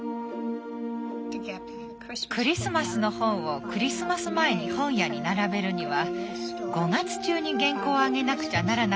クリスマスの本をクリスマス前に本屋に並べるには５月中に原稿をあげなくちゃならなかったの。